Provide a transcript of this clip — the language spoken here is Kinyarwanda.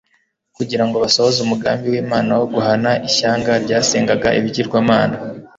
kugira ngo basohoze umugambi wImana mu guhana ishyanga ryasengaga ibigirwamana